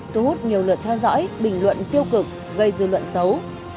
thu hút nhiều lượt theo dõi bình luận tiêu cực gây dư luận xấu